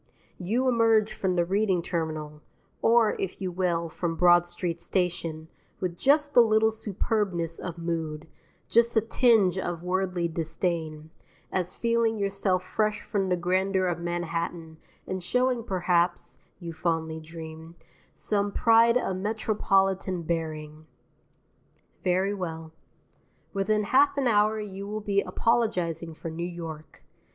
You emerge from the Reading Terminal (or, if you will, from Broad Street Station) with just a little superbness of mood, just a tinge of worldly disdain, as feeling yourself fresh from the grandeur of Manhattan and showing perhaps (you fondly dream) some pride of metropolitan bearing. Very well. Within half an hour you will be apologizing for New York.